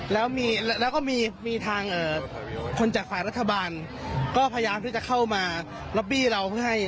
แล้วก็มีทางคนจากฝ่ายรัฐบาลก็พยายามที่จะเข้ามาล็อบบี้เราเพื่อให้